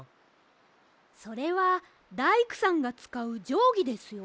それはだいくさんがつかうじょうぎですよ。